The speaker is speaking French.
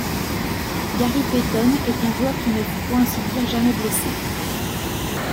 Gary Payton est un joueur qui ne fut pour ainsi dire jamais blessé.